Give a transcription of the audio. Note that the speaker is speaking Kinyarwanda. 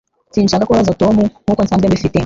Sinshaka kubabaza Tom nkuko nsanzwe mbifite.